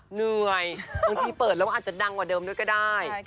เหนื่อยบางทีเปิดแล้วอาจจะดังกว่าเดิมด้วยก็ได้